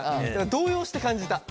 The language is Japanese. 動揺して感じた。